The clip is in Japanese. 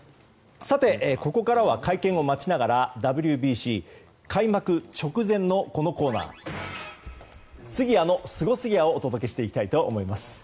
ここからは会見を待ちながらＷＢＣ開幕直前のこのコーナースギヤのスゴすぎやをお届けしていきます。